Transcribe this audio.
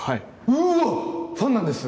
うわファンなんです